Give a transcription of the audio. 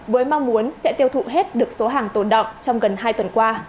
với mong muốn sẽ tiêu thụ hết được số hàng tồn động trong gần hai tuần qua